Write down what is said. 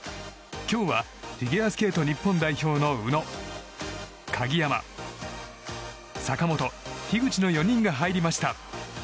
今日はフィギュアスケート日本代表の宇野、鍵山、坂本、樋口の４人が入りました。